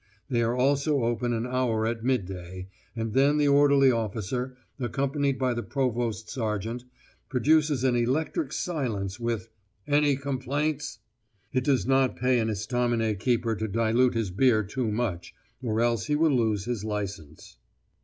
They are also open an hour at midday, and then the orderly officer, accompanied by the provost sergeant, produces an electric silence with 'Any complaints?' It does not pay an estaminet keeper to dilute his beer too much, or else he will lose his licence.